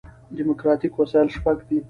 ډیموکراټیک وسایل شپږ دي.